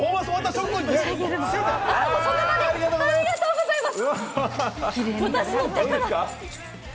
その場でありがとうございます。